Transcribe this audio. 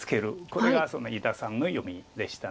これが伊田さんの読みでした。